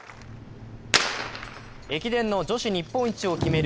駅伝の女子日本一を決める